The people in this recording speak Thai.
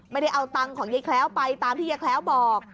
ไม่ได้เอาตังค์ของยายแคล้วไปตามที่ยายแคล้วบอก